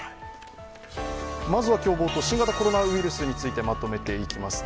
まずは今日冒頭、新型コロナウイルスについてまとめていきます。